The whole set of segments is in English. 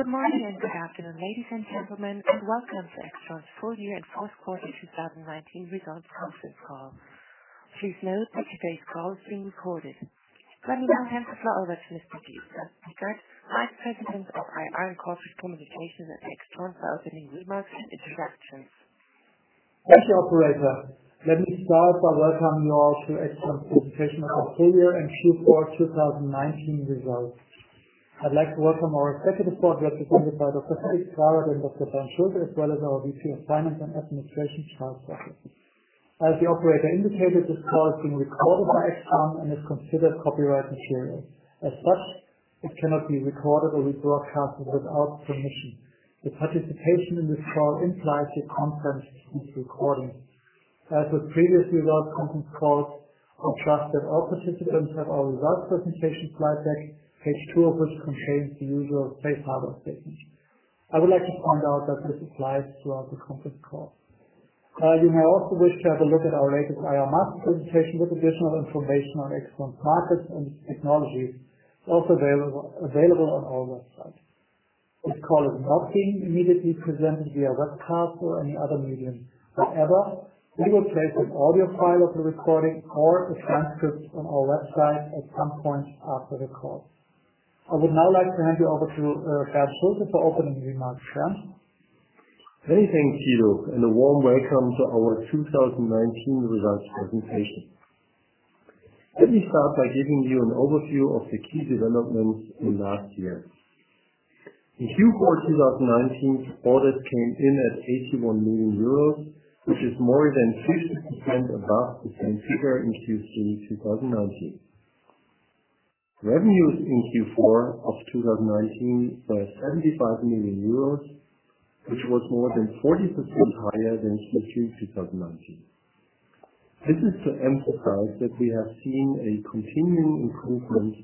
Good morning and good afternoon, ladies and gentlemen, welcome to AIXTRON's full year and fourth quarter 2019 results conference call. Please note that today's call is being recorded. Let me now hand the floor over to Mr. Guido. With that, Vice President of IR and Corporate Communications at AIXTRON for opening remarks and introductions. Thank you, operator. Let me start by welcoming you all to AIXTRON's presentation of our full year and Q4 2019 results. I'd like to welcome our executive board represented by Dr. Felix Grawert and Dr. Bernd Schulte, as well as our VP of Finance and Administration, Charles Russell. As the operator indicated, this call is being recorded by AIXTRON and is considered copyright material. As such, it cannot be recorded or rebroadcasted without permission. Your participation in this call implies your consent to this recording. As with previous results conference calls, I trust that all participants have our results presentation slide deck, page two of which contains the usual safe harbor statement. I would like to point out that this applies throughout the conference call. You may also wish to have a look at our latest IR Master presentation with additional information on AIXTRON's markets and technologies, also available on our website. This call is not being immediately presented via webcast or any other medium. However, we will place an audio file of the recording or a transcript on our website at some point after the call. I would now like to hand you over to Bernd Schulte for opening remarks. Bernd? Many thanks, Guido, and a warm welcome to our 2019 results presentation. Let me start by giving you an overview of the key developments in last year. In Q4 2019, orders came in at 81 million euros, which is more than 60% above the same figure in Q4 2019. Revenues in Q4 of 2019 were 75 million euros, which was more than 40% higher than Q4 2019. This is to emphasize that we have seen a continuing improvement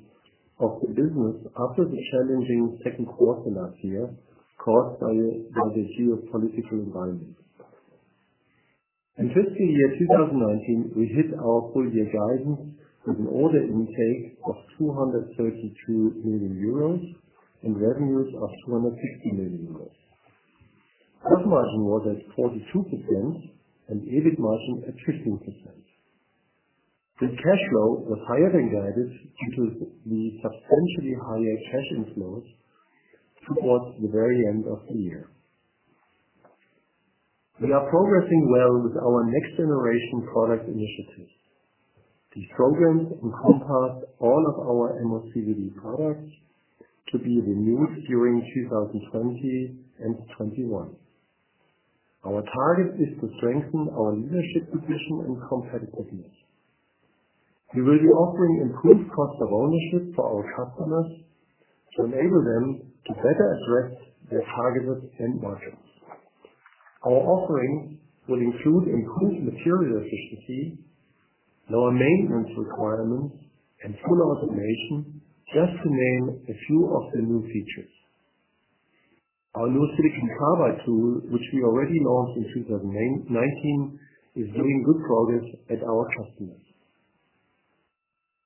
of the business after the challenging second quarter last year caused by the geo-political environment. In fiscal year 2019, we hit our full-year guidance with an order intake of 232 million euros and revenues of 260 million euros. Gross margin was at 42% and EBIT margin at 15%. The cash flow was higher than guided due to the substantially higher cash inflows towards the very end of the year. We are progressing well with our next-generation product initiatives. These programs encompass all of our MOCVD products to be renewed during 2020 and 2021. Our target is to strengthen our leadership position and competitiveness. We will be offering improved cost of ownership for our customers to enable them to better address their targets and budgets. Our offerings will include improved material efficiency, lower maintenance requirements, and full automation, just to name a few of the new features. Our new silicon carbide tool, which we already launched in 2019, is making good progress at our customers.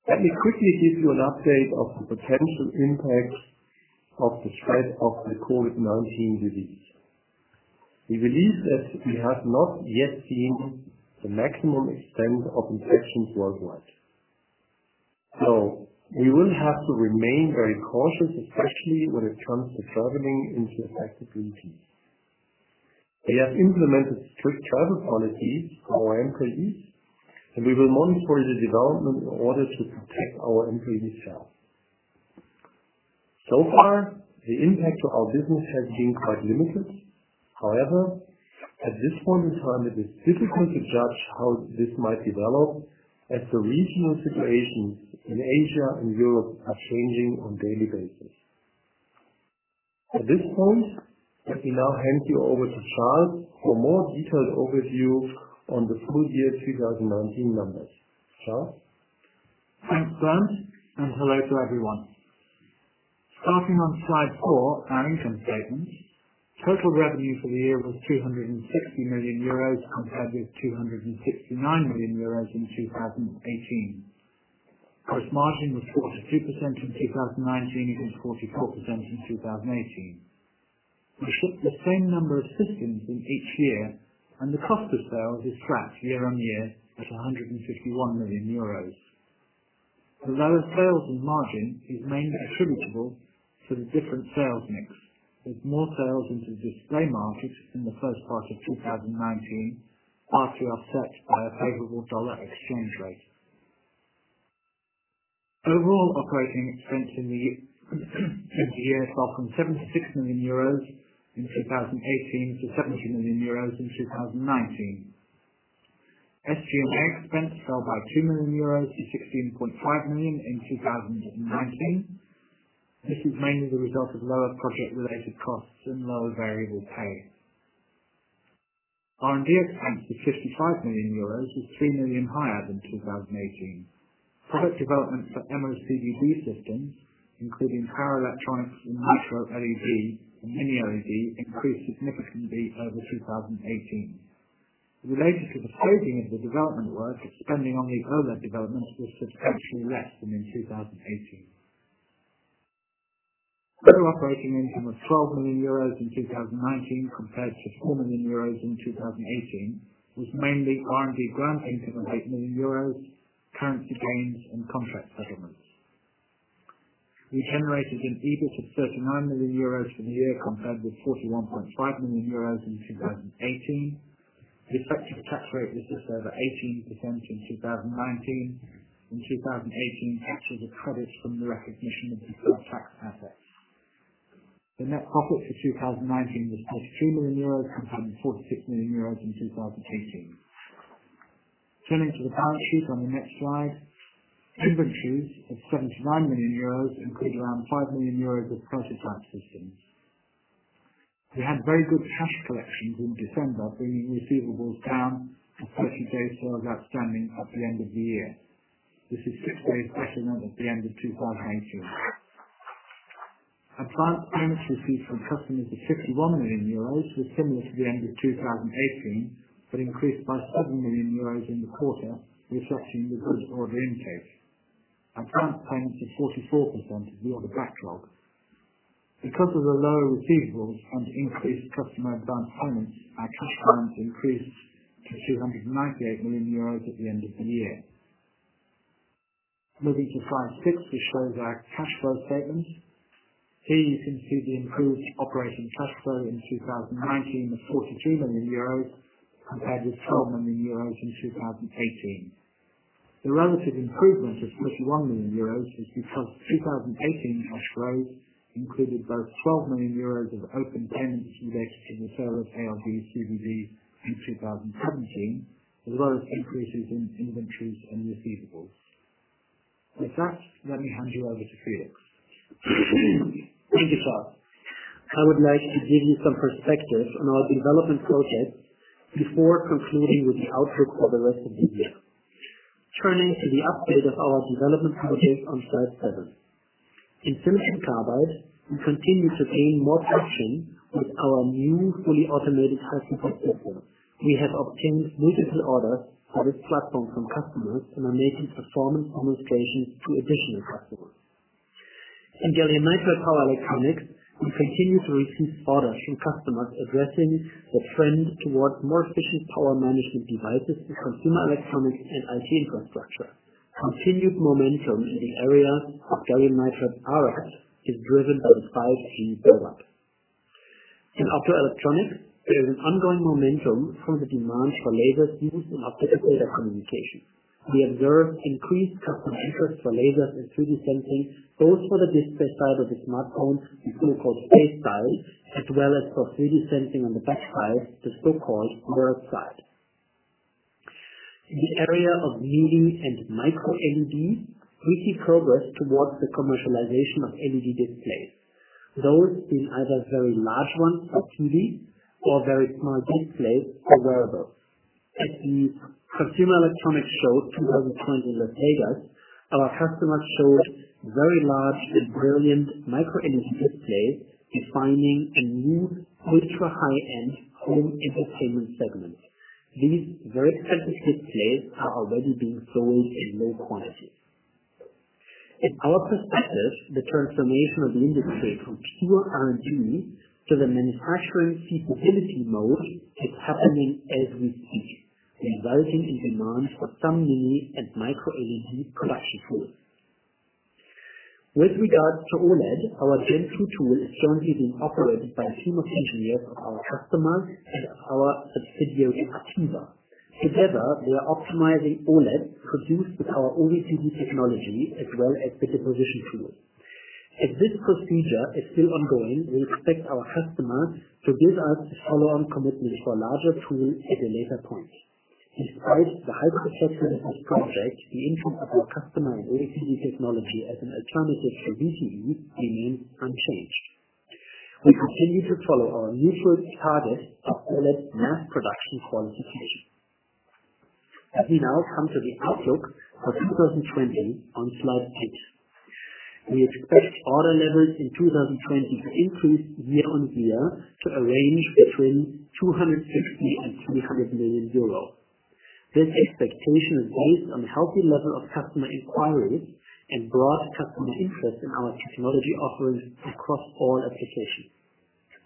Let me quickly give you an update of the potential impact of the spread of the COVID-19 disease. We believe that we have not yet seen the maximum extent of infections worldwide. We will have to remain very cautious, especially when it comes to traveling into affected regions. We have implemented strict travel policies for our employees, and we will monitor the development in order to protect our employees' health. Far, the impact to our business has been quite limited. However, at this point in time, it is difficult to judge how this might develop as the regional situations in Asia and Europe are changing on a daily basis. At this point, let me now hand you over to Charles for a more detailed overview on the full-year 2019 numbers. Charles? Thanks, Bernd. Hello to everyone. Starting on slide four, our income statement. Total revenue for the year was 260 million euros compared with 269 million euros in 2018. Gross margin was 42% in 2019 against 44% in 2018. We shipped the same number of systems in each year. The cost of sales is flat year on year at 161 million euros. The lower sales and margin is mainly attributable to the different sales mix, with more sales into the display market in the first part of 2019, partly offset by a favorable dollar exchange rate. Overall operating expense in the year fell from 76 million euros in 2018 to 70 million euros in 2019. SG&A expense fell by 2 million euros to 16.5 million in 2019. This is mainly the result of lower project-related costs and lower variable pay. R&D expense was 55 million euros, or 3 million higher than 2018. Product development for MOCVD systems, including power electronics for Micro LED and Mini LED, increased significantly over 2018. Related to the scoping of the development work, spending on the OLED development was substantially less than in 2018. Group operating income was 12 million euros in 2019 compared to 4 million euros in 2018, which mainly R&D grant income of 8 million euros, currency gains, and contract settlements. We generated an EBIT of 39 million euros for the year compared with 41.5 million euros in 2018. The effective tax rate was just over 18% in 2019. In 2018, taxes were credited from the recognition of deferred tax assets. The net profit for 2019 was 13 million euros compared to 46 million euros in 2018. Turning to the balance sheet on the next slide. Inventories of 79 million euros include around 5 million euros of prototype systems. We had very good cash collections in December, bringing receivables down to 30 days sales outstanding at the end of the year. This is six days better than at the end of 2018. Advance payments received from customers of 61 million euros were similar to the end of 2018, but increased by 7 million euros in the quarter, reflecting the good order intake. Advance payments were 44% of the order backlog. Because of the lower receivables and increased customer advance payments, our cash balance increased to 298 million euros at the end of the year. Moving to slide six which shows our cash flow statement. Here you can see the improved operating cash flow in 2019 of 42 million euros compared with 12 million euros in 2018. The relative improvement of 31 million euros is because 2018 cash flow included both 12 million euros of open payments related to the sale of ALD/CVD in 2017, as well as increases in inventories and receivables. With that, let me hand you over to Felix. Thank you, Charles. I would like to give you some perspective on our development projects before concluding with the outlook for the rest of the year. Turning to the update of our development projects on slide seven. In silicon carbide, we continue to gain more traction with our new fully automated high temp system. We have obtained multiple orders for this platform from customers and are making performance demonstrations to additional customers. In gallium nitride power electronics, we continue to receive orders from customers addressing the trend towards more efficient power management devices in consumer electronics and IT infrastructure. Continued momentum in the area of gallium nitride power HEMT is driven by the 5G build-out. In optoelectronics, there is an ongoing momentum from the demand for lasers used in optical data communication. We observe increased customer interest for lasers and 3D sensing, both for the display side of the smartphone, the so-called face side, as well as for 3D sensing on the back side, the so-called mirror side. In the area of Mini LED and Micro LED, we see progress towards the commercialization of LED displays. Those being either very large ones for TV or very small displays for wearables. At the Consumer Electronics Show 2020 Las Vegas, our customers showed very large and brilliant Micro LED displays defining a new ultra-high-end home entertainment segment. These very expensive displays are already being sold in low quantity. In our perspective, the transformation of the industry from pure R&D to the manufacturing feasibility mode is happening as we speak, resulting in demand for some Mini LED and Micro LED production tools. With regards to OLED, our Gen2 tool is currently being operated by a team of engineers of our customers and our subsidiary, APEVA. Together, we are optimizing OLED produced with our OLED technology as well as deposition tools. As this procedure is still ongoing, we expect our customers to give us follow-on commitment for a larger tool at a later point. Despite the high success of this project, the interest of our customer in APEVA technology as an alternative for VCSEL remains unchanged. We continue to follow our mutual target of OLED mass production qualification. Let me now come to the outlook for 2020 on slide eight. We expect order levels in 2020 to increase year-on-year to a range between 250 million and 300 million euros. This expectation is based on healthy level of customer inquiries and broad customer interest in our technology offerings across all applications.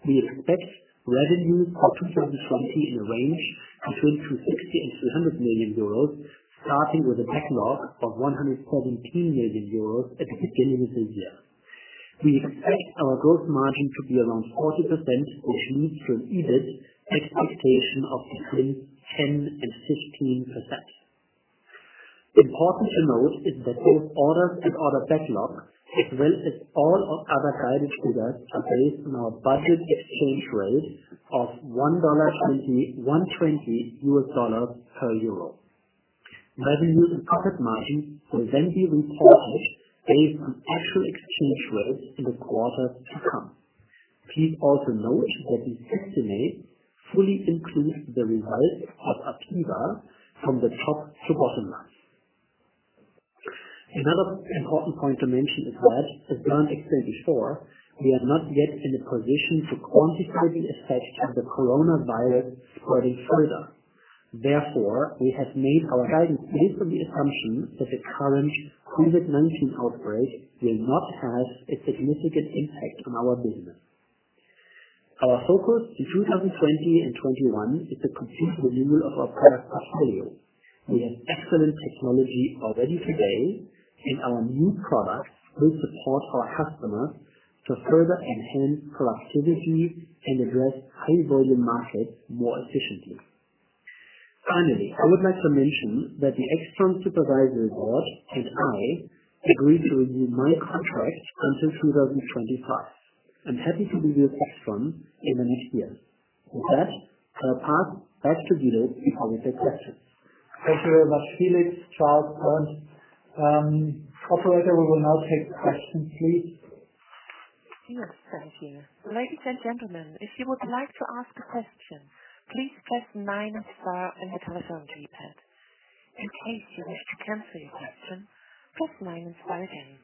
We expect revenue for 2020 in the range between 260 million and 300 million euros, starting with a backlog of 117 million euros at the beginning of the year. We expect our gross margin to be around 40%, which means an EBIT expectation of between 10% and 15%. Important to note is that both orders and order backlog, as well as all our other guidance figures, are based on our budget exchange rate of $1.20 US dollars per euro. Revenue and profit margin will be re-polished based on actual exchange rates in the quarters to come. Please also note that these estimates fully include the results of APEVA from the top to bottom line. Another important point to mention is that, as Bernd explained before, we are not yet in a position to quantify the effect of the coronavirus spreading further. We have made our guidance based on the assumption that the current COVID-19 outbreak will not have a significant impact on our business. Our focus in 2020 and 2021 is to complete renewal of our product portfolio. We have excellent technology already today, and our new products will support our customers to further enhance productivity and address high volume markets more efficiently. Finally, I would like to mention that the AIXTRON Supervisory Board and I agreed to renew my contract until 2025. I'm happy to be with AIXTRON in the next years. With that, I'll pass back to Guido before we take questions. Thank you very much, Felix, Charles, Bernd. Operator, we will now take questions, please. Yes, thank you. Ladies and gentlemen, if you would like to ask a question, please press nine and star on your telephone keypad. In case you wish to cancel your question, press nine and star again.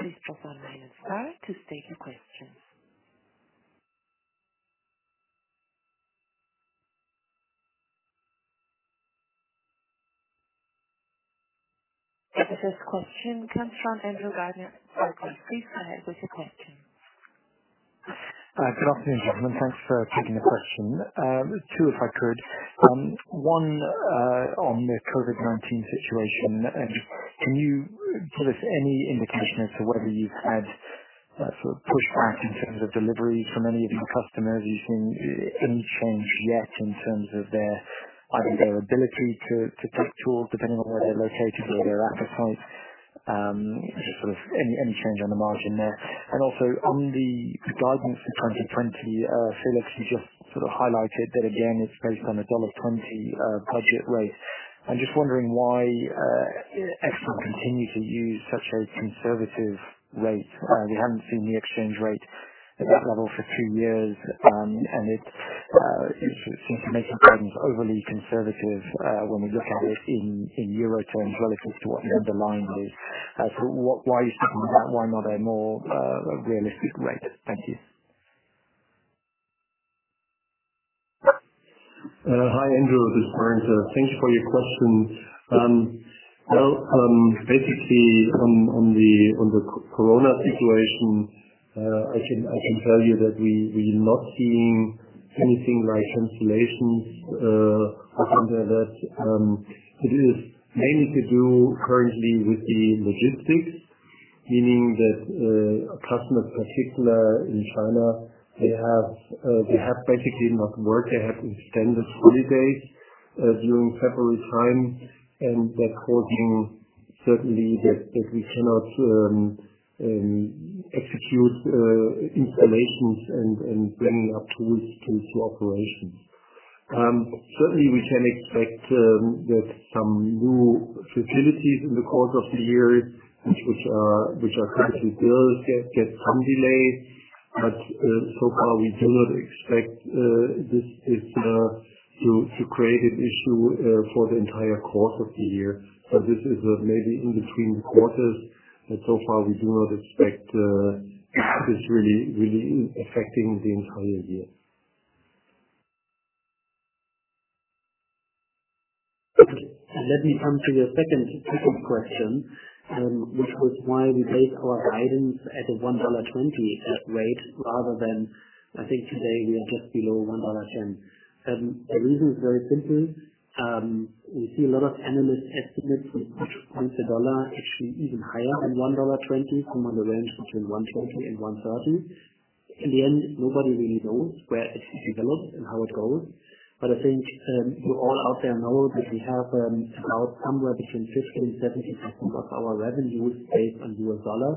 Please press one, nine, and star to state your questions. The first question comes from Andrew Gardiner at Berenberg. Please go ahead with your question. Good afternoon, gentlemen. Thanks for taking the question. Two, if I could. One, on the COVID-19 situation, can you give us any indication as to whether you've had sort of pushback in terms of delivery from any of your customers? Are you seeing any change yet in terms of either their ability to take tools depending on where they're located or where they're at this point, just sort of any change on the margin there? On the guidance for 2020, Felix, you just sort of highlighted that again, it's based on a $1.20 budget rate. I'm just wondering why AIXTRON continue to use such a conservative rate. We haven't seen the exchange rate at that level for two years. It seems to make the guidance overly conservative when we look at it in euro terms relative to what the underlying is. Why are you sticking with that? Why not a more realistic rate? Thank you. Hi, Andrew. This is Bernd. Thanks for your question. Basically on the COVID situation, I can tell you that we are not seeing anything like cancellations. It is mainly to do currently with the logistics, meaning that customers, particularly in China, they have basically not worked. They had extended holidays during February time, and they're quoting certainly that we cannot execute installations and planning our tools to full operation. Certainly, we can expect that some new facilities in the course of the year, which are currently built, get some delay. So far we do not expect this to create an issue for the entire course of the year. This is maybe in between quarters, but so far we do not expect this really affecting the entire year. Let me come to your second question, which was why we based our guidance at a $1.20 rate rather than I think today we are just below $1.10. The reason is very simple. We see a lot of analyst estimates with respect to the dollar actually even higher than $1.20, somewhere in the range between $1.20 and $1.30. In the end, nobody really knows where it develops and how it goes. I think you all out there know that we have about somewhere between 15% and 17% of our revenues based on U.S. dollar.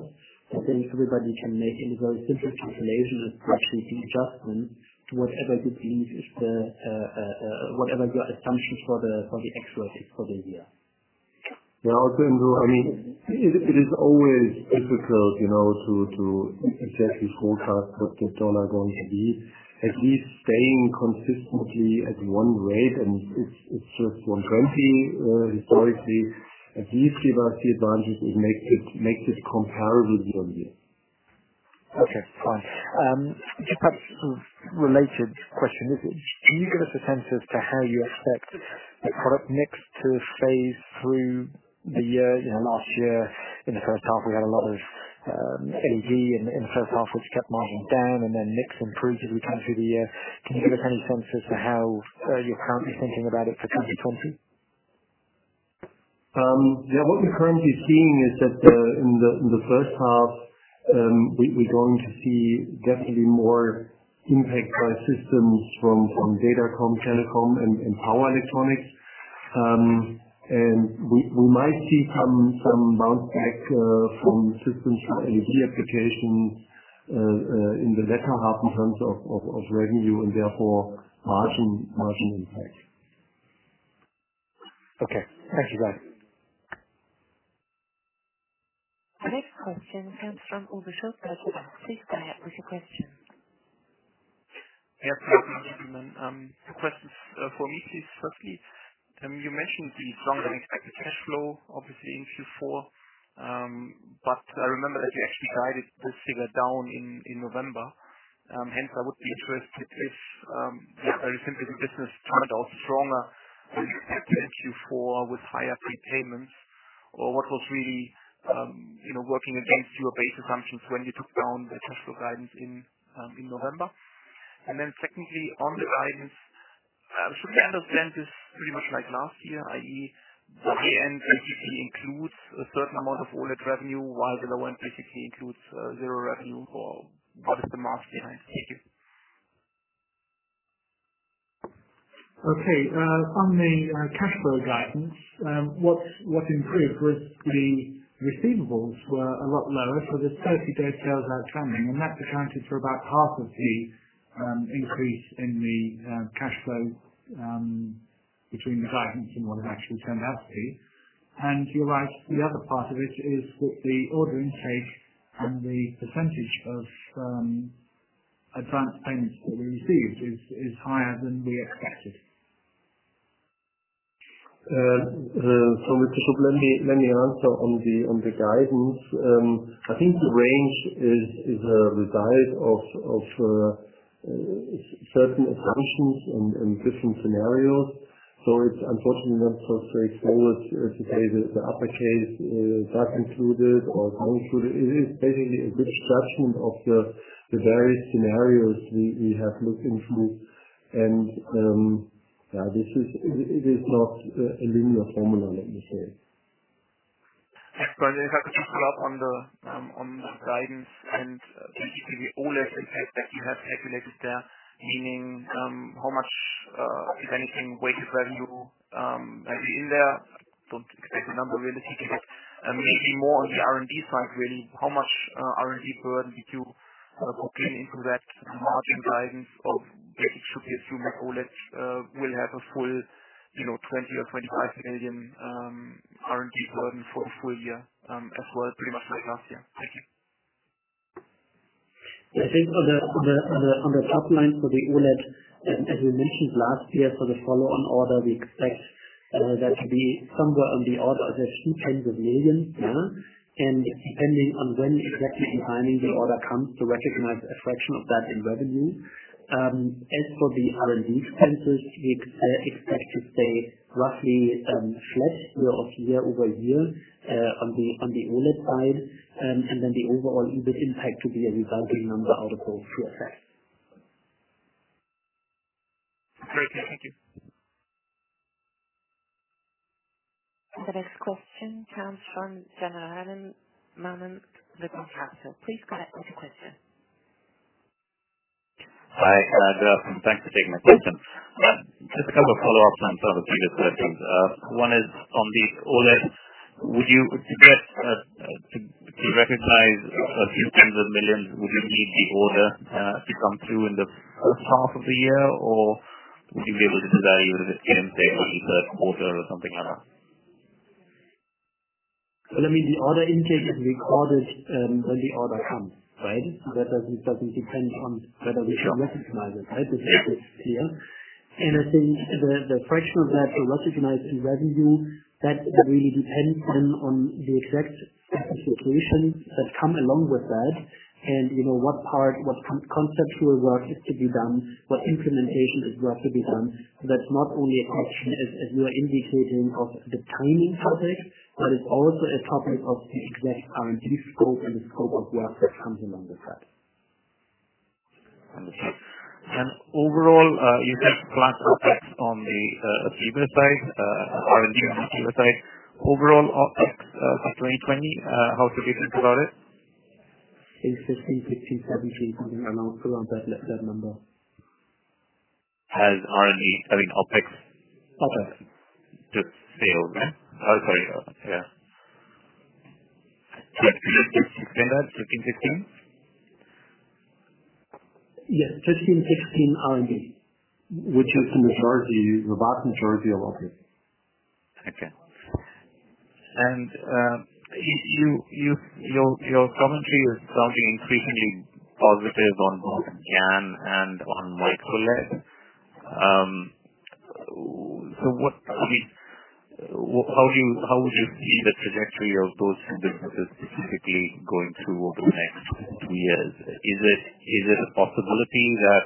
I think everybody can make a very simple calculation and actually do the adjustment to whatever your assumption for the exposure for the year. Yeah. Andrew, it is always difficult to exactly forecast what the dollar is going to be. At least staying consistently at one rate, and it's just $1.20 historically. At least give us the advantage, it makes it comparable year-on-year. Okay, fine. Just perhaps sort of related question. Can you give us a sense as to how you expect the product mix to phase through the year? Last year in the first half, we had a lot of LED in the first half, which kept margins down, and then mix improved as we came through the year. Can you give us any sense as to how you're currently thinking about it for 2020? Yeah, what we're currently seeing is that in the first half, we're going to see definitely more impact by systems from datacom, telecom, and power electronics. We might see some bounce back from systems for LED applications, in the latter half in terms of revenue and therefore margin impact. Okay. Thank you, guys. The next question comes from Uwe Schupp of Bank of America. With your question. Yes. Good afternoon. Two questions for me, please. Firstly, you mentioned the stronger than expected cash flow, obviously, in Q4. I remember that you actually guided this figure down in November. Hence, I would be interested if, very simply, the business turned out stronger than you expected Q4 with higher prepayments, or what was really working against your base assumptions when you took down the cash flow guidance in November. Secondly, on the guidance, should we understand this pretty much like last year, i.e., the high end basically includes a certain amount of OLED revenue, while the low end basically includes zero revenue? What is the math behind? Thank you. Okay. On the cash flow guidance, what improved was the receivables were a lot lower for the 30-day sales outstanding. That accounted for about half of the increase in the cash flow between the guidance and what it actually turned out to be. You're right, the other part of it is that the order intake and the % of advance payments that we received is higher than we expected. Let me answer on the guidance. I think the range is a result of certain assumptions and different scenarios. It's unfortunately not so straightforward to say the upper case, that included or that included. It is basically a good discussion of the various scenarios we have looked into. Yeah, it is not a linear formula, let me say. Just to follow up on the guidance and basically the OLED impact that you have calculated there, meaning how much, if anything, weighted revenue will be in there. Don't expect a number really. Maybe more on the R&D side, really, how much R&D burden did you put into that margin guidance of basically assuming OLED will have a full 20 or 25 million R&D burden for a full year, as well, pretty much like last year. Thank you. I think on the top line for the OLED, as we mentioned last year for the follow-on order, we expect that to be somewhere on the order of a few tens of millions. Yeah. Depending on when exactly in timing the order comes to recognize a fraction of that in revenue. As for the R&D expenses, we expect to stay roughly flat year-over-year on the OLED side. The overall impact to be a resulting number out of those two effects. Great. Thank you. The next question comes from Jan Maennig, Berenberg. Please go ahead with your question. Hi. Thanks for taking my question. Just a couple of follow-ups on top of previous questions. One is on the OLED. To recognize a few tens of millions EUR, would you need the order to come through in the first half of the year, or would you be able to value it in, say, the third quarter or something like that? The order intake is recorded when the order comes. Right? That doesn't depend on whether we can recognize it. Right? This is clear. I think the fraction of that to recognize in revenue, that really depends then on the exact execution that come along with that and what conceptual work is to be done, what implementation is there to be done. That's not only a question, as you are indicating, of the timing of it, but it's also a topic of the exact R&D scope and the scope of work that comes along with that. Understood. Overall, is that class of effects on the EBITDA side, R&D on the EBITDA side, overall OpEx for 2020, how should we think about it? It's 15, 16, 17, something around that number. As R&D, I mean OpEx. OpEx. Just sales. Oh, sorry. Yeah. Did you say that? 15, 16? Yes, 15, 16 R&D, which is the majority, the vast majority of OpEx. Okay. Your commentary is sounding increasingly positive on both GaN and on Micro LED. How would you see the trajectory of those two businesses specifically going through over the next two years? Is it a possibility that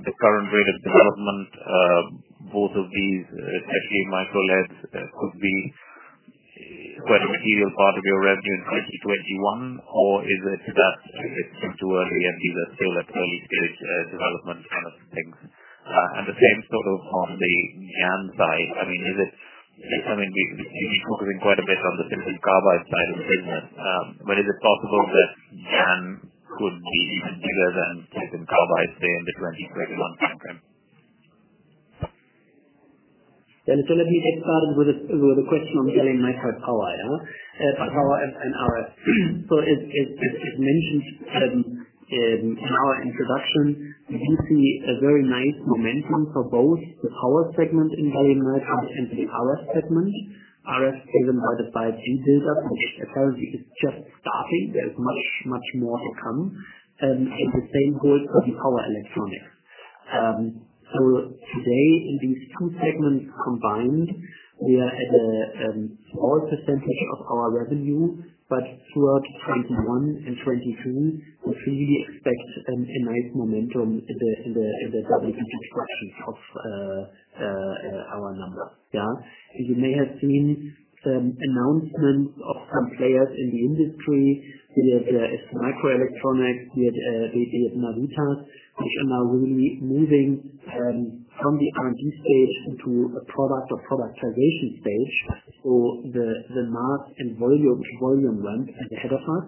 at the current rate of development, both of these, especially Micro LED, could be quite a material part of your revenue in 2021? Is it that it's still too early and these are still at early-stage development kind of things? The same sort of on the GaN side. You've been focusing quite a bit on the silicon carbide side of things. Is it possible that GaN could be even bigger than silicon carbide, say, in the 2021 timeframe? Jan, let me get started with the question on GaN micro, how I am. As mentioned in our introduction, we do see a very nice momentum for both the power segment in gallium nitride and the RF segment. RF is driven by the 5G build-up, which apparently is just starting. There is much more to come. The same goes for the power electronics. Today, in these two segments combined, we are at a small percentage of our revenue, but towards 2021 and 2022, we really expect a nice momentum in the double-digit structures of our numbers. Yeah. You may have seen some announcements of some players in the industry. Be it STMicroelectronics, be it Navitas, which are now really moving from the R&D stage into a product or productization stage. The mass and volume ramp is ahead of us.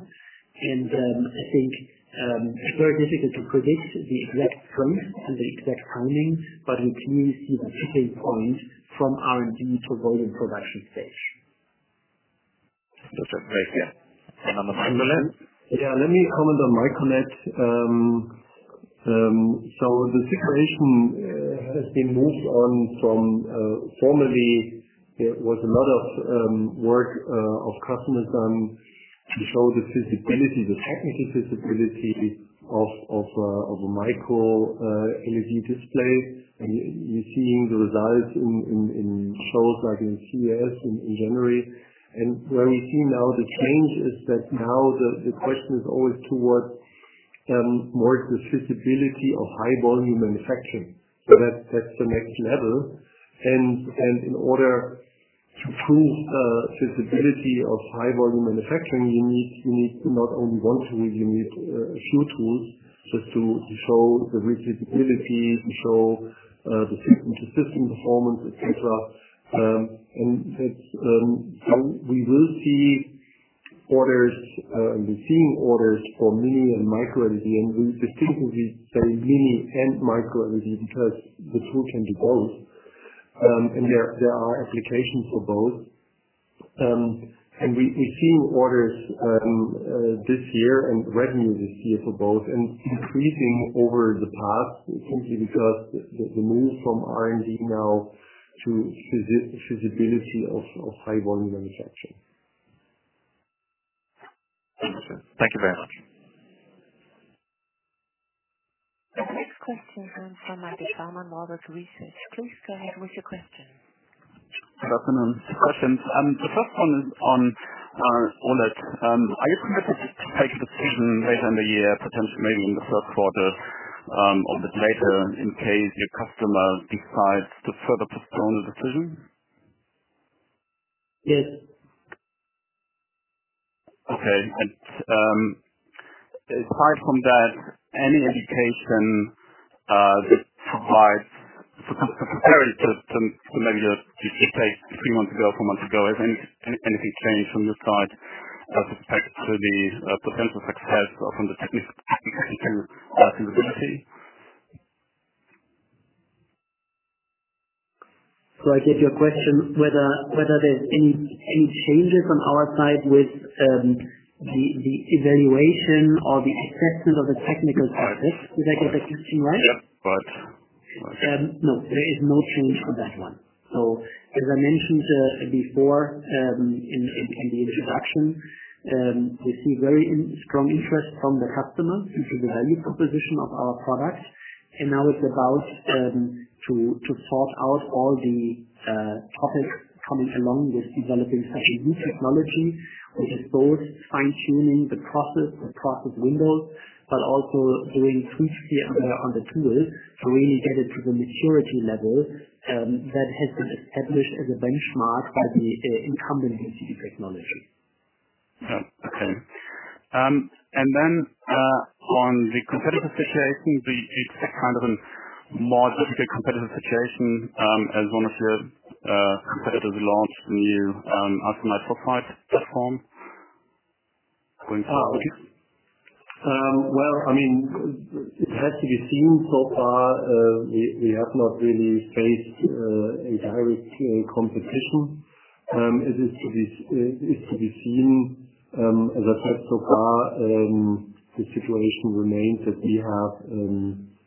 I think it's very difficult to predict the exact growth and the exact timing, but we clearly see the tipping point from R&D to volume production stage. Okay. Thank you. Hans-Jürgen. Yeah. Let me comment on MicroLED. The situation has been moved on from formerly, there was a lot of work of customers done to show the feasibility, the technical feasibility, of a Micro LED display. You're seeing the results in shows like in CES in January. Where we see now the change is that now the question is always towards more the feasibility of high volume manufacturing. That's the next level. In order to prove feasibility of high volume manufacturing, you need to not only one tool, you need a few tools just to show the feasibility, to show the system-to-system performance, et cetera. We will see orders, are receiving orders for Mini LED and Micro LED, and we specifically say Mini LED and Micro LED because the tool can do both. There are applications for both. We've seen orders this year and revenue this year for both, and it's increasing over the past simply because the move from R&D now to feasibility of high volume manufacturing. Thank you. Thank you very much. The next question comes from Matti Taalas, Nordea Research. Please go ahead with your question. Good afternoon. Two questions. The first one is on OLED. Are you committed to take the decision later in the year, potentially maybe in the first quarter, or a bit later in case your customer decides to further postpone the decision? Yes. Okay. Aside from that, any indication this provides compared to maybe just three months ago or four months ago? Has anything changed from your side as a prospect to the potential success from the technical feasibility? I get your question, whether there's any changes on our side with the evaluation or the assessment of the technical aspects. Did I get the question right? Yeah. Right. No. There is no change on that one. As I mentioned before in the introduction, we see very strong interest from the customers due to the value proposition of our products. Now it is about to sort out all the topics coming along with developing such a new technology, which is both fine-tuning the process, the process window, but also doing first pass on the tools to really get it to the maturity level that has been established as a benchmark by the incumbent LED technology. Oh, okay. On the competitive situation, do you expect kind of a more difficult competitive situation, as one of your competitors launched a new arsenide phosphide platform? Well, it has to be seen. So far, we have not really faced a direct competition. It is to be seen. As I said, so far, the situation remains that we have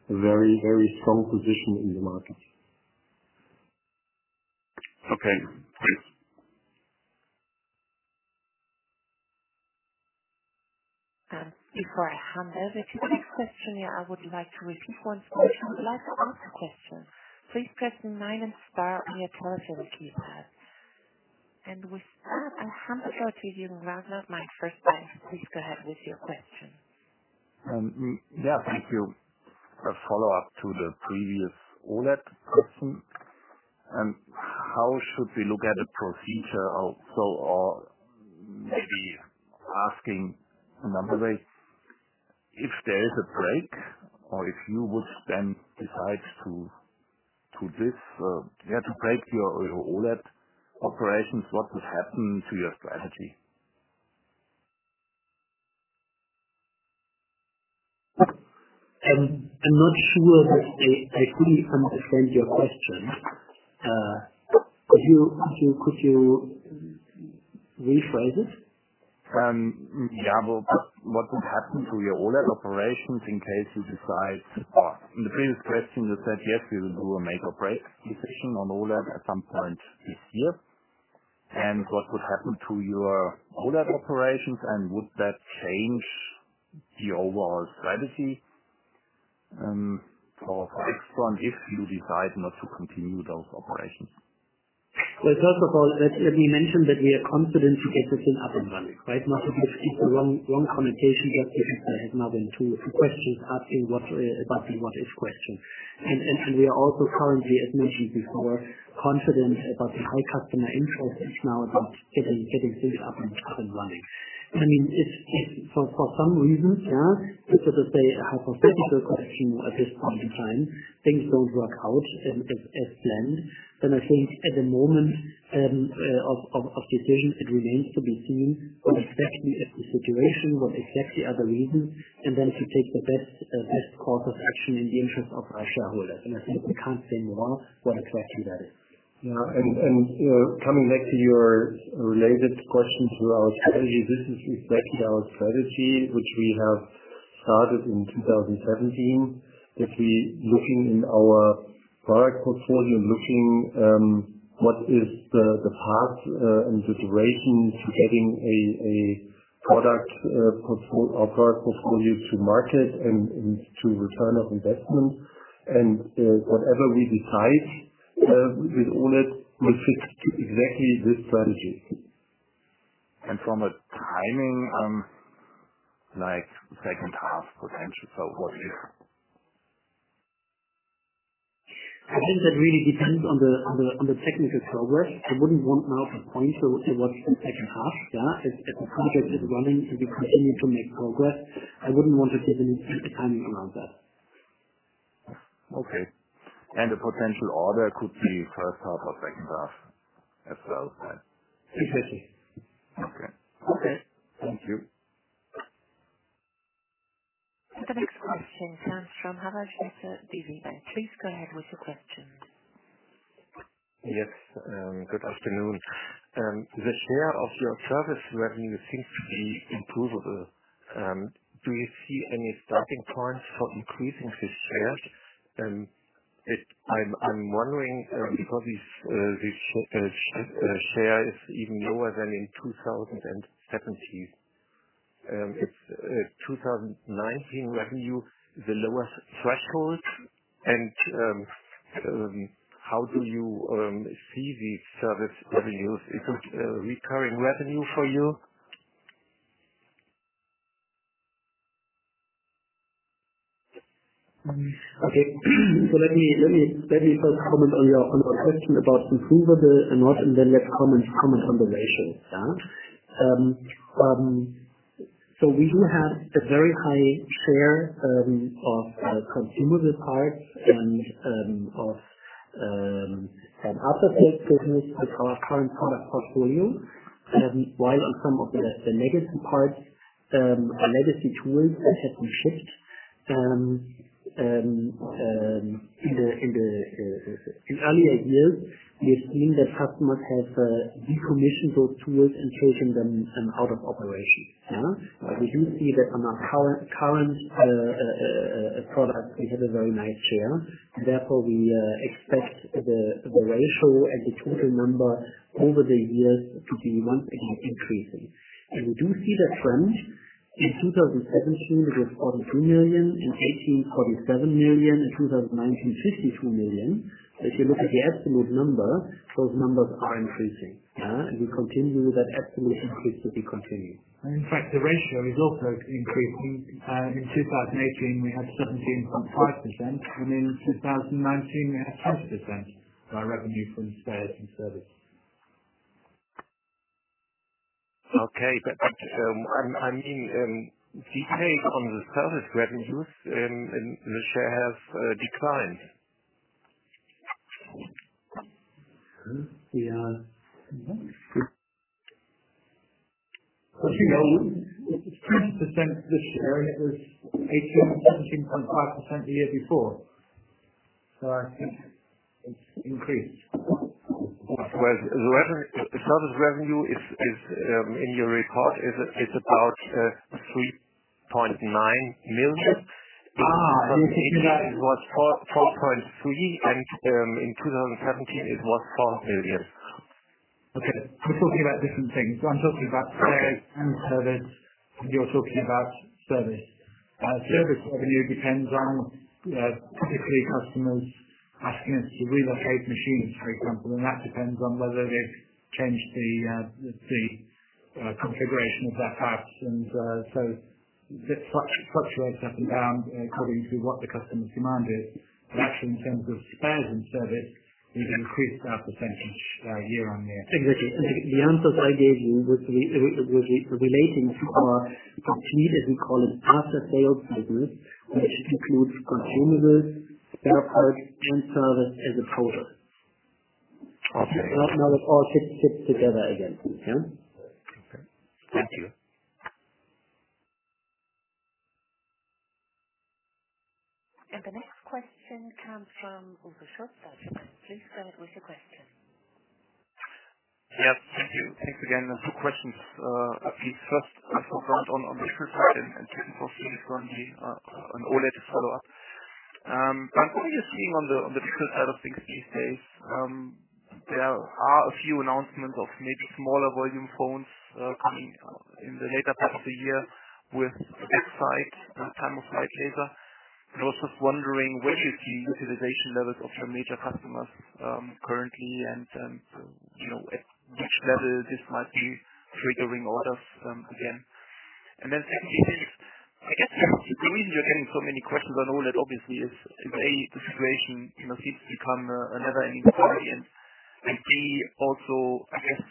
a very strong position in the market. Okay, great. Before I hand over to the next question here, I would like to repeat once more. If you would like to ask a question, please press nine and star on your telephone keypad. With that, I hand it over to Julian Raab of MIFC Bank. Please go ahead with your question. Yeah, thank you. A follow-up to the previous OLED question. How should we look at a procedure? Maybe asking another way, if there is a break or if you would then decide to break your OLED operations, what would happen to your strategy? I'm not sure that I fully understand your question. Could you rephrase? Which phases? In the previous question, you said, "Yes, we will do a make or break decision on OLED at some point this year." What would happen to your OLED operations, and would that change the overall strategy for AIXTRON if you decide not to continue those operations? Well, first of all, let me mention that we are confident to get this thing up and running. Not to give people wrong communication, just because I had now two questions asking what if question. We are also currently, as mentioned before, confident about the high customer interest, it's now about getting things up and running. If for some reason, it is a hypothetical question at this point in time, things don't work out as planned, then I think at the moment of decision, it remains to be seen what exactly is the situation, what exactly are the reasons, and then to take the best course of action in the interest of our shareholders. I think I can't say now what exactly that is. Coming back to your related question to our strategy, this is exactly our strategy, which we have started in 2017, that we looking in our product portfolio, looking what is the path and the duration to getting a product portfolio to market and to return of investment. Whatever we decide with OLED will fit exactly this strategy. From a timing, like second half potential, what if? I think that really depends on the technical progress. I wouldn't want now to point towards the second half. As the project is running and we continue to make progress, I wouldn't want to give any timing around that. Okay. A potential order could be first half or second half as well then. Exactly. Okay. Okay. Thank you. The next question comes from Harald Schnitzer, DZ Bank. Please go ahead with your question. Yes. Good afternoon. The share of your service revenue seems to be improvable. Do you see any starting points for increasing the shares? I'm wondering, because the share is even lower than in 2017. If 2019 revenue is the lowest threshold, and how do you see the service revenues? Is it recurring revenue for you? Okay. Let me first comment on your question about improvable and not, let's comment on the ratios. We do have a very high share of consumable parts and of an after-sales business with our current product portfolio. While on some of the legacy parts or legacy tools that have been shipped in earlier years, we are seeing that customers have decommissioned those tools and taken them out of operation. We do see that on our current products, we have a very nice share, and therefore we expect the ratio and the total number over the years to be once again increasing. We do see that trend. In 2017, it was 43 million, in 2018, 47 million, in 2019, 52 million. If you look at the absolute number, those numbers are increasing. We continue with that absolute increase to be continued. In fact, the ratio is also increasing. In 2018, we had 17.5%, and in 2019, we had 20% by revenue from spares and service. Okay. I mean, detailed on the service revenues and the share have declined. Yeah. You know, it is 20% this year. It was 18.5% the year before. I think it has increased. Well, the service revenue in your report is about 3.9 million. In 2018, it was EUR 4.3 million, and in 2017, it was 4 million. Okay. We're talking about different things. I'm talking about spares and service, and you're talking about service. Service revenue depends on, typically, customers asking us to relocate machines, for example, and that depends on whether they've changed the configuration of their fab. It fluctuates up and down according to what the customer demand is. Actually, in terms of spares and service, we've increased our percentage year-on-year. Exactly. The answers I gave you was relating to our what we call an after-sales business, which includes consumables, spare parts, and service as a product. Okay. Now it all fits together again. Okay. Thank you. The next question comes from Uwe Schupp. Please go ahead with your question. Yeah. Thank you. Thanks again. Two questions, please. First, for inaudible on the inaudible side and second for Felix is going to be on OLED to follow up. I am only seeing on the inaudible side of things these days. There are a few announcements of maybe smaller volume phones coming in the later part of the year with X-site and time-of-flight laser. I was just wondering where you see utilization levels of your major customers currently and at which level this might be triggering orders again. Secondly, I guess the reason you are getting so many questions on OLED, obviously, is, A, the situation seems to become a never-ending story. B, also, I guess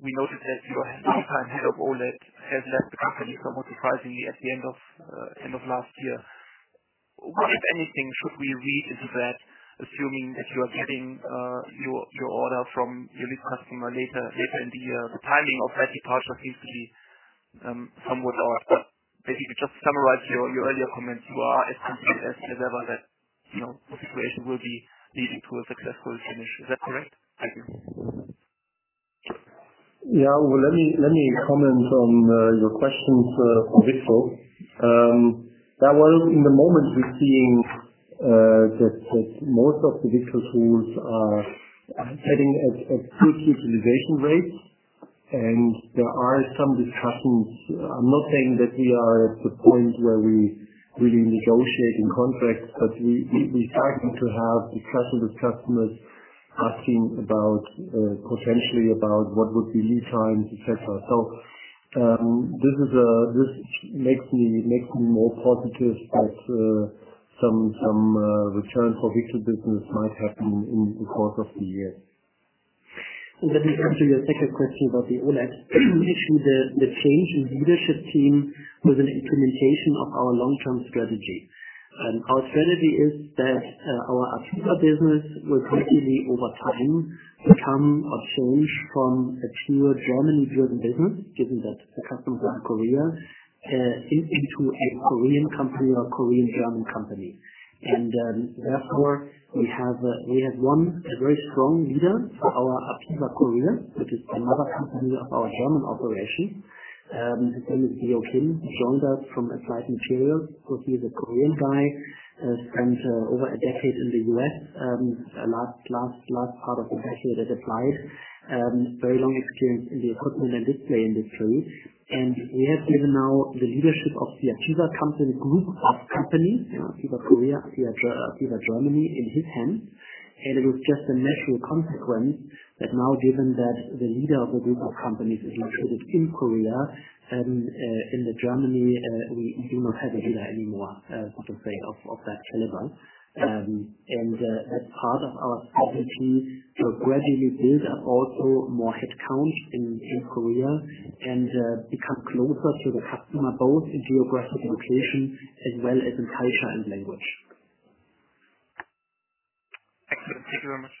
we noticed that your longtime head of OLED has left the company somewhat surprisingly at the end of last year. What, if anything, should we read into that, assuming that you are getting your order from your lead customer later in the year? The timing of that departure seems to be somewhat off. If you just summarize your earlier comments, you are as confident as ever that the situation will be leading to a successful finish. Is that correct? Thank you. Let me comment on your questions for MOCVD. In the moment we're seeing that most of the MOCVD tools are heading at good utilization rates. There are some discussions. I'm not saying that we are at the point where we're really negotiating contracts, but we're starting to have discussions with customers asking potentially about what would be lead times, et cetera. This makes me more positive that some return for MOCVD business might happen in the course of the year. Let me come to your second question about the OLED. We see the change in leadership team with an implementation of our long-term strategy. Our strategy is that our business will completely, over time, become or change from a pure Germany-driven business, given that the customers are in Korea, into a Korean company or Korean-German company. Therefore, we have one, a very strong leader for our inaudible Korea, which is another company of our German operation. His name is Jochen Linck, joined us from Applied Materials. He's a Korean guy, spent over a decade in the U.S., last part of a decade at Applied. Very long experience in the equipment and display industry. We have given now the leadership of the inaudible company group of companies, inaudible Korea, inaudible Germany, in his hands. It was just a natural consequence that now, given that the leader of the group of companies is located in Korea, in Germany, we do not have a leader anymore, so to say, of that caliber. That's part of our strategy to gradually build up also more headcounts in Korea and become closer to the customer, both in geographic location as well as in culture and language. Excellent. Thank you very much.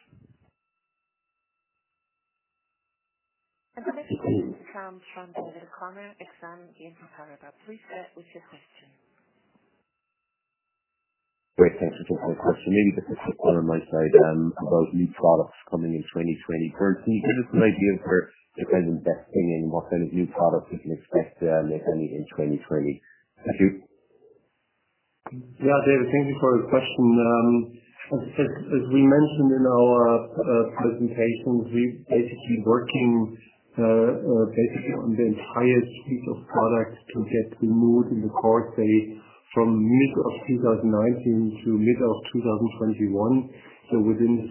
The next question comes from David O'Connor, Exane BNP Paribas. Please start with your question. Great. Thanks. A quick question, maybe this is more on my side about new products coming in 2020. Can you give us an idea for the kind of investing and what kind of new products we can expect there, and if any, in 2020? Thank you. Yeah, David, thank you for the question. As we mentioned in our presentation, we're basically working on the entire suite of products to get renewed in the course, say, from mid of 2019 to mid of 2021. Within 24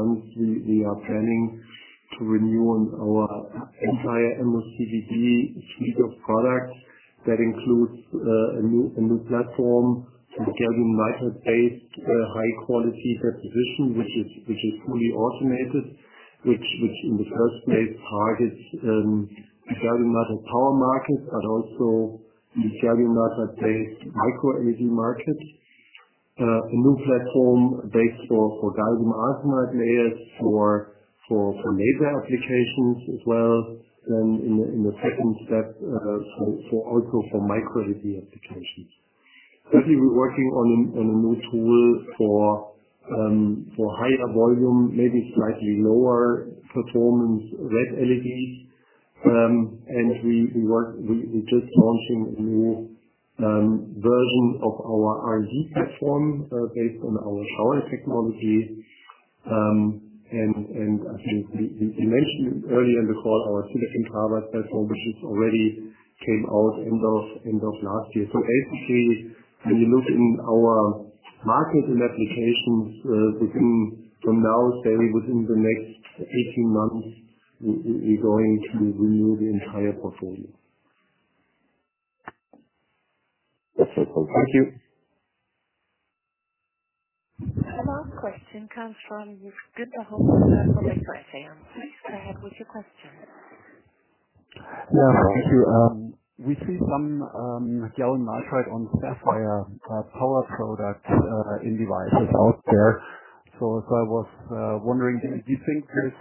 months, we are planning to renew our entire MOCVD suite of products. That includes a new platform for gallium nitride-based high-quality deposition, which is fully automated, which in the first place targets gallium nitride power markets, but also the gallium nitride-based Micro LED market. A new platform based for gallium arsenide layers for laser applications as well, in the second step, also for Micro LED applications. Currently, we're working on a new tool for higher volume, maybe slightly lower performance, red LED. We're just launching a new version of our R&D platform based on our Showerhead technology. I think we mentioned earlier in the call our silicon carbide platform, which already came out end of last year. Basically, when you look in our markets and applications between from now, say, within the next 18 months, we're going to renew the entire portfolio. That's helpful. Thank you. The last question comes from Gustav Froberg from Berenberg. Please go ahead with your question. Yeah. Thank you. We see some gallium nitride on sapphire power product in devices out there. I was wondering, do you think this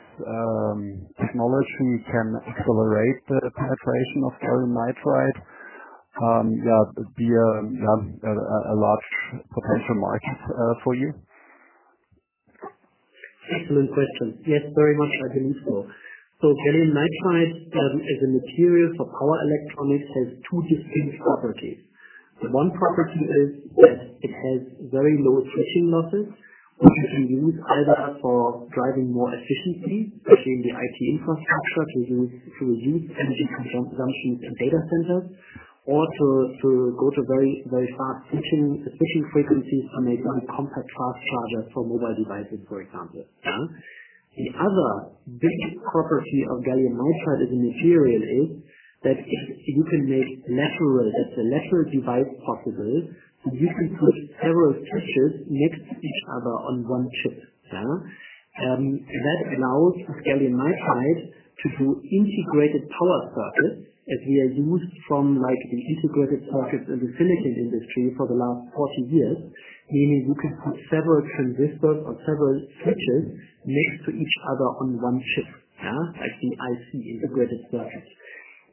technology can accelerate the penetration of gallium nitride? Would that be a large potential market for you? Excellent question. Yes, very much. I believe so. Gallium nitride as a material for power electronics has two distinct properties. The one property is that it has very low switching losses, which you can use either for driving more efficiency, especially in the IT infrastructure to reduce energy consumption in data centers or to go to very fast switching frequencies and make very compact fast chargers for mobile devices, for example. The other big property of gallium nitride as a material is that you can make a lateral device possible, so you can put several switches next to each other on one chip. That allows the gallium nitride to do integrated power circuits as we have used from the integrated circuits in the silicon industry for the last 40 years, meaning you can put several transistors or several switches next to each other on one chip, like the IC integrated circuits.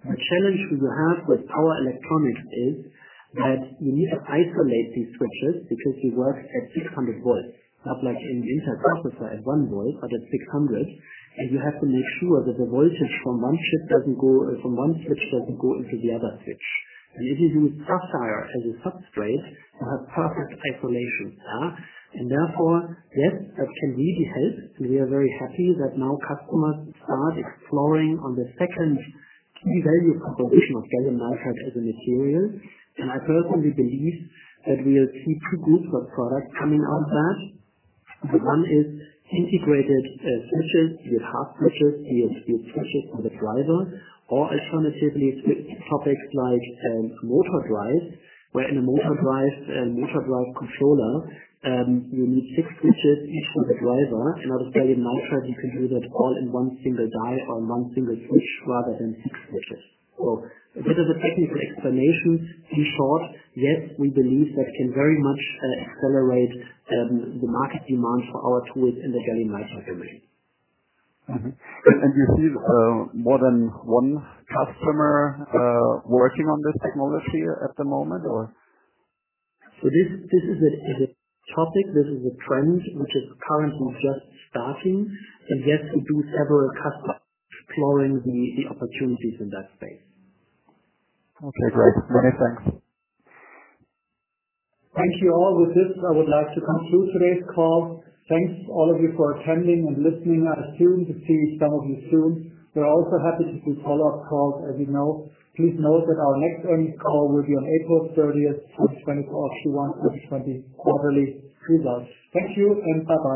The challenge we have with power electronics is that you need to isolate these switches because they work at 600 volts, not like in the entire processor at one volt, but at 600. You have to make sure that the voltage from one switch doesn't go into the other switch. If you use sapphire as a substrate, you have perfect isolation. Therefore, yes, that can really help. We are very happy that now customers start exploring on the second key value proposition of gallium nitride as a material. I personally believe that we will see two groups of products coming out of that. One is integrated switches with half switches, H-bridge switches on the driver, or alternatively, topics like motor drive, where in a motor drive controller, you need six switches, each with a driver. In order to study nitride, you can do that all in one single die or in one single switch rather than six switches. That is a technical explanation. In short, yes, we believe that can very much accelerate the market demand for our tools in the gallium nitride industry. Mm-hmm. You see more than one customer working on this technology at the moment? This is a topic, this is a trend, which is currently just starting. Yes, we do have several customers exploring the opportunities in that space. Okay, great. Many thanks. Thank you all. With this, I would like to conclude today's call. Thanks all of you for attending and listening. I assume to see some of you soon. We're also happy to do follow-up calls as you know. Please note that our next earnings call will be on April 30th, 2020. Q1 2020 quarterly results. Thank you and bye-bye.